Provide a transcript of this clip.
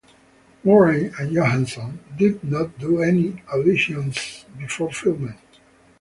Murray and Johansson did not do any auditions before filming.